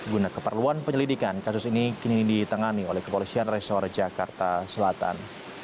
guna keperluan penyelidikan kasus ini kini ditangani oleh kepolisian resor jakarta selatan